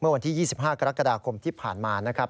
วันที่๒๕กรกฎาคมที่ผ่านมานะครับ